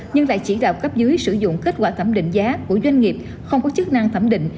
nhưng lại chỉ đạo cấp dưới sử dụng kết quả thẩm định giá của doanh nghiệp không có chức năng thẩm định